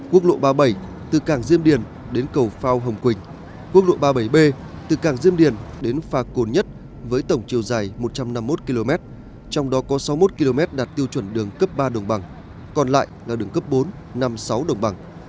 quốc lộ ba mươi bảy từ cảng diêm điền đến cầu phao hồng quỳnh quốc lộ ba mươi bảy b từ cảng diêm điền đến pha cồn nhất với tổng chiều dài một trăm năm mươi một km trong đó có sáu mươi một km đạt tiêu chuẩn đường cấp ba đồng bằng còn lại là đường cấp bốn năm sáu đồng bằng